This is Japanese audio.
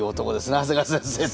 長谷川先生って。